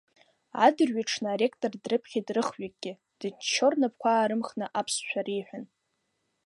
Адырҩаҽны аректор дрыԥхьеит рыхҩыкгьы, дыччо рнапқәа аарымхны аԥсшәа реиҳәан…